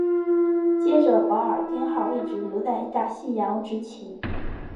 接着保尔丁号一直留在大西洋执勤。